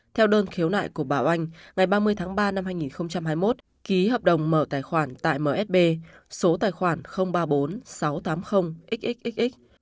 theo đơn khiếu nại của bảo anh ngày ba mươi tháng ba năm hai nghìn hai mươi một ký hợp đồng mở tài khoản tại msb số tài khoản ba mươi bốn sáu trăm tám mươi xxx